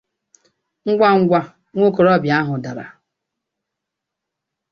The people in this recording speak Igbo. Ngwa ngwa nwokorobịa ahụ dàrà